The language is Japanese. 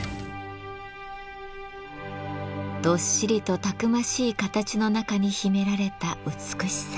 どっしりとたくましい形の中に秘められた美しさ。